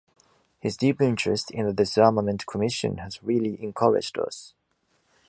His deep interest in the Disarmament Commission has really encouraged us.